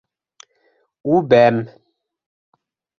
Үбәм...